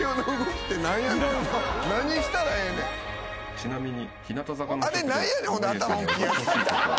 ちなみに。